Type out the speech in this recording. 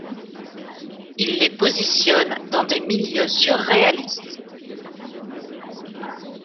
Il les positionne dans des milieux surréalistes.